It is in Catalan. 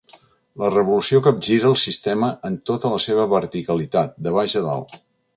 La revolució capgira el sistema en tota la seva verticalitat, de baix a dalt.